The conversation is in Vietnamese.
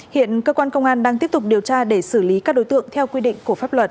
hiện cơ quan công an đang tiếp tục điều tra để xử lý các đối tượng theo quy định của pháp luật